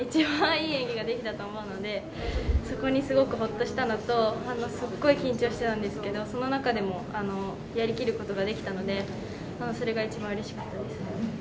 ここにきて一番いい演技ができたと思うのでそこにすごくほっとしたのとすごく緊張したんですけどその中でもやり切ることができたのでそれが一番うれしかったです。